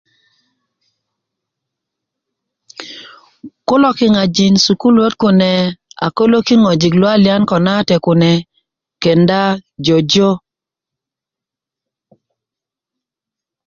kulo kiŋajin sukuluöt kune a kolökin ŋojik luwaliyan ko na wate kune kenda jojo